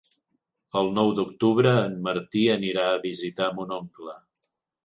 El nou d'octubre en Martí anirà a visitar mon oncle.